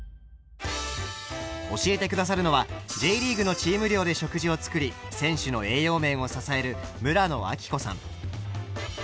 教えて下さるのはＪリーグのチーム寮で食事を作り選手の栄養面を支える村野明子さん。